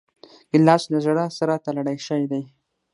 ګیلاس له زړه سره تړلی شی دی.